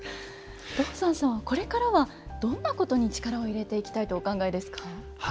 道山さんはこれからはどんなことに力を入れていきたいとお考えですか？